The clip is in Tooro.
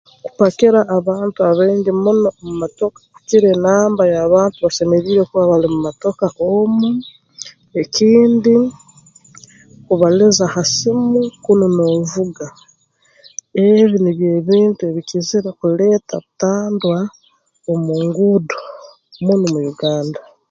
Kupakira abantu abaingi muno mu motoka kukira enamba y'abantu basemeriire kuba bali mu matoka omu ekindi kubaliza ha simu kunu noovuga ebi nibyo ebintu ebikizire kuleeta butandwa omu nguudo munu mu Uganda